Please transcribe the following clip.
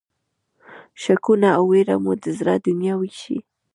شکونه او وېره مو د زړه دنیا وېشي.